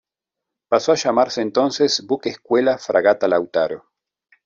Pasó a llamarse entonces "Buque Escuela Fragata Lautaro".